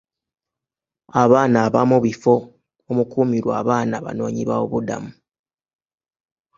Abaana abamu bifo omukuumirwa abaana banoonyibabubudamu.